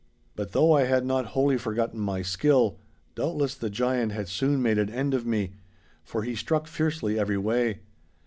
But though I had not wholly forgotten my skill, doubtless the giant had soon made an end of me, for he struck fiercely every way.